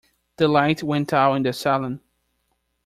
The light went out in the salon.